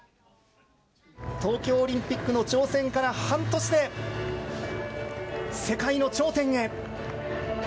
東京オリンピックの挑戦から半年で、世界の頂点へ。